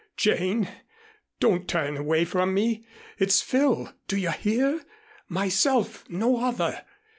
Jane! Don't turn away from me. It's Phil, do you hear? Myself no other.